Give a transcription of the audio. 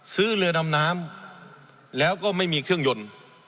ซื้อเรือดำน้ำแล้วก็ไม่มีเครื่องยนต์